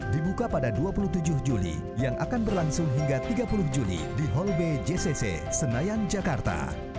dibuka pada dua puluh tujuh juli yang akan berlangsung hingga tiga puluh juni di hall b jcc senayan jakarta